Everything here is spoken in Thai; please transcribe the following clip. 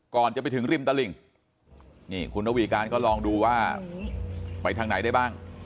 ก่อนจะไปถึงริมตลิ่งนี่คุณระวีการก็ลองดูว่าไปทางไหนได้บ้าง